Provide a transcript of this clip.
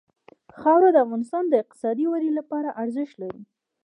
خاوره د افغانستان د اقتصادي ودې لپاره ارزښت لري.